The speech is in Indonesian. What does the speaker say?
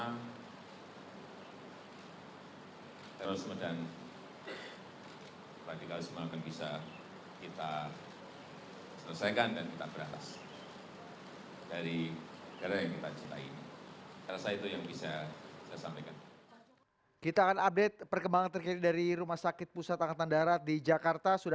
hanya dengan upaya kita bersama sama